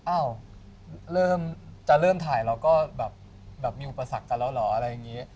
อ้าวเริ่มจะเริ่มถ่ายเราก็แบบมีอุปสรรคกันแล้วเหรออะไรอย่างนี้